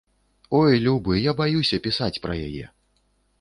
Ой, любы, я баюся пісаць пра яе.